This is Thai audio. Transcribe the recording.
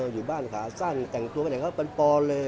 อยู่บ้านขาสั้นแต่งตัวแบบนี้เขาเป็นปลอลเลย